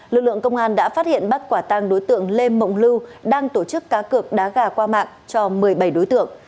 lực lượng công an đã phát hiện bắt quả tăng đối tượng lê mộng lưu đang tổ chức cá cược đá gà qua mạng cho một mươi bảy đối tượng